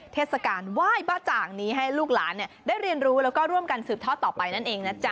เทศกาลไหว้บ้าจ่างนี้ให้ลูกหลานได้เรียนรู้แล้วก็ร่วมกันสืบทอดต่อไปนั่นเองนะจ๊ะ